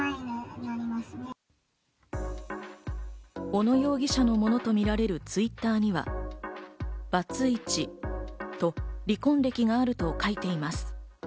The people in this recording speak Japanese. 小野容疑者のものとみられるＴｗｉｔｔｅｒには、バツイチと離婚歴があると書いています。